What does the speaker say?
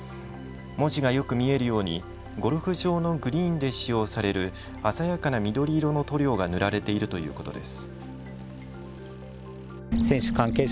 文字がよく見えるようにゴルフ場のグリーンで使用される鮮やかな緑色の塗料が塗られているということです。